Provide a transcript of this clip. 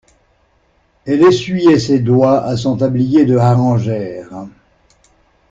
Elle essuyait ses doigts à son tablier de harengère.